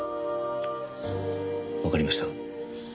わかりました。